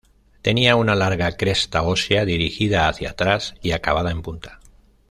Tenía una larga cresta ósea dirigida hacia atrás y acabada en punta.